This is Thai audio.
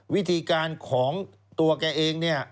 วิธีการของตัวแกเอง